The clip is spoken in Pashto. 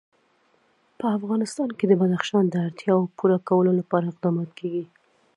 په افغانستان کې د بدخشان د اړتیاوو پوره کولو لپاره اقدامات کېږي.